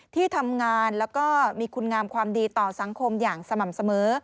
ที่ทำงานแล้วก็มีคุณงามความดีต่อสังคมอย่างสม่ำเสมอ